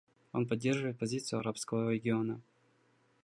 Он поддерживает позицию арабского региона.